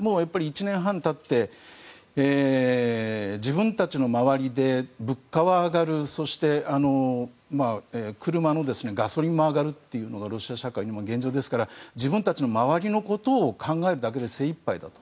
１年半経って自分たちの周りで物価は上がるそして、車のガソリンも上がるということがロシア社会の現状ですから自分たちの周りのことを考えるだけで精いっぱいだと。